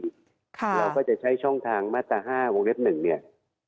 เราก็จะใช้ช่องทางมาตรา๕วงเล็บ๑เนี่ย